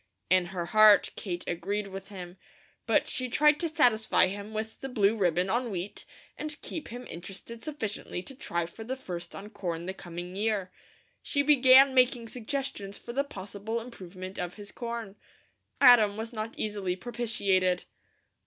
In her heart Kate agreed with him; but she tried to satisfy him with the blue ribbon on wheat and keep him interested sufficiently to try for the first on corn the coming year. She began making suggestions for the possible improvement of his corn. Adam was not easily propitiated.